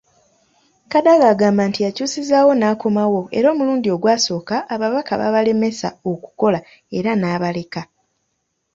Kadaga agamba nti yakyusizaawo n'akomawo era omulundi ogwasooka, ababaka babalemesa okukola era n'abaleka.